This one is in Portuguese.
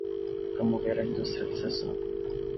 Promover a industrialização